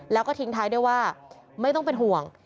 แล้วก็ทิ้งท้ายด้วยว่าไม่ต้องเป็นห่วง